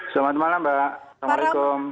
selamat malam mbak assalamualaikum